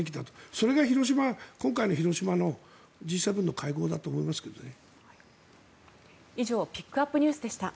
それが今回の広島のＧ７の会合だと思いますけどね。